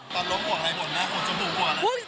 ตอนล้มหัวไทยหัวหน้าหัวจมูกหัวอะไร